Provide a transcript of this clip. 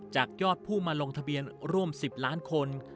จากยอดผู้มาลงทะเบียนร่วม๑๐ล้านคน